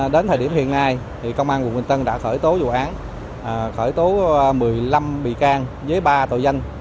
đến thời điểm hiện nay công an tp hcm đã khởi tố dụ án khởi tố một mươi năm bị can với ba tội danh